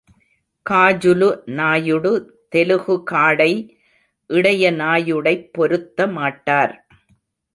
காஜுலு நாயுடு தெலுகு காடை, இடைய நாயுடைப் பொருத்த மாட்டார்.